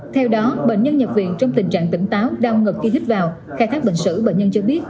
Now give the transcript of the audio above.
theo đó bệnh nhân nhập viện trong tình trạng tỉnh táo đau ngực khi hít vào khai thác bệnh sử bệnh nhân cho biết